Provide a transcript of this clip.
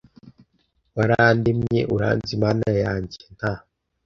warandemye uranzi mana yanjye nta